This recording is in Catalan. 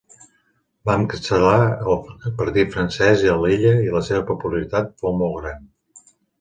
Va encapçalar el partit francès a l'illa i la seva popularitat fou molt gran.